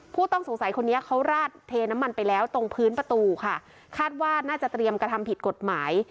ผู้ต้องสงสัยคนนี้เขาราดเทน้ำมันไปแล้วตรงพื้นประตูค่ะคาดว่าน่าจะเตรียมกระทำผิดกฎหมาย